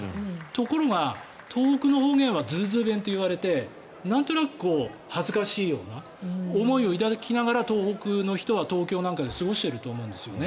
ところが、東北の方言はズーズー弁といわれてなんとなく恥ずかしいような思いを抱きながら、東北の人は過ごしていると思うんです。